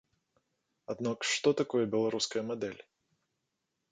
Аднак што такое беларуская мадэль?